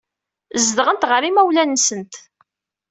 Zedɣent ɣer yimawlan-nsent.